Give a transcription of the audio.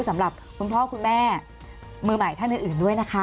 สำหรับคุณพ่อคุณแม่มือใหม่ท่านอื่นด้วยนะคะ